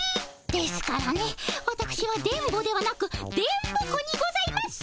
ですからねわたくしは電ボではなく電ボ子にございます。